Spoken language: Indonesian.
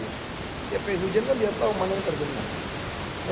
setiap hari hujan kan dia tahu mana yang terbenam